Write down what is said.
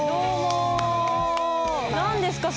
何ですか？